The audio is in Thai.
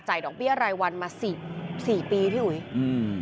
จ่ายดอกเบี้ยไรวันมาสี่สี่ปีที่หุยอืม